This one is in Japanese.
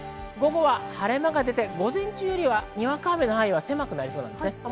晴れ間が出て、午前中よりにわか雨の範囲は狭くなります。